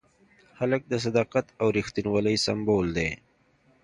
هلک د صداقت او ریښتینولۍ سمبول دی.